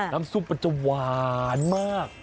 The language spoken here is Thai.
น้ำซุปมันจะหวานมาก